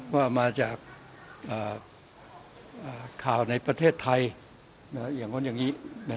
ว่ามาจากข่าวในประเทศไทยอย่างนู้นอย่างนี้